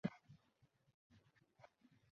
দিদির পরই যদি সে কাহাকেও ভালোবাসে তো সে রানুদি।